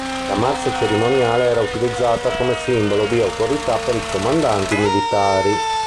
La mazza cerimoniale era utilizzata come simbolo di autorità per i comandanti militari.